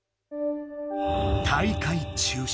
大会中止！